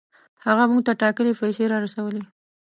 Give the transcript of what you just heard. هغه موږ ته ټاکلې پیسې را رسولې.